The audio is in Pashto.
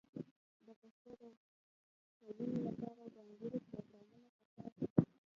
د پښتو د ښوونې لپاره ځانګړې پروګرامونه په کار دي.